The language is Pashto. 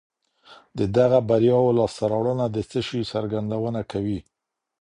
د دغو برياوو لاسته راوړنه د څه شي څرګندونه کوي؟